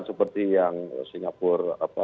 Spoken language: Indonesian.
seperti yang singapura